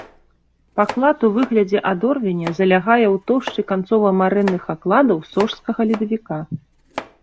Паклад у выглядзе адорвеня залягае ў тоўшчы канцова-марэнных адкладаў сожскага ледавіка.